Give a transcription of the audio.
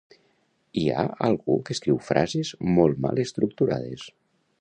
Hi ha algú que escriu frases molt mal estructurades